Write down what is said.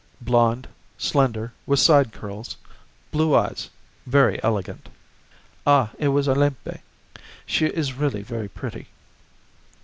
"Blonde, slender, with side curls; blue eyes; very elegant." "Ah! It was Olympe; she is really very pretty."